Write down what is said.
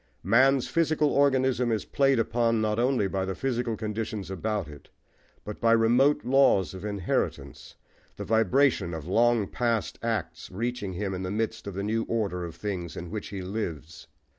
Man's physical organism is played upon not only by the physical conditions about it, but by remote laws of inheritance, the vibration of long past acts reaching him in the midst of the new order of things in which he lives.